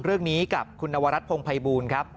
เรื่องนี้กับคุณนวรัฐพงภัยบูลครับ